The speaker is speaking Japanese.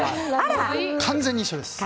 完全に一緒です。